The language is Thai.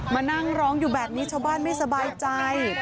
มานั่งร้องอยู่แบบนี้ชาวบ้านไม่สบายใจ